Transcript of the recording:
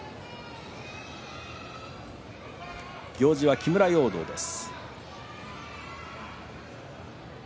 行司は木村容堂です。